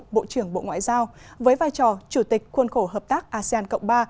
bộ trưởng bộ ngoại giao với vai trò chủ tịch khuôn khổ hợp tác asean cộng ba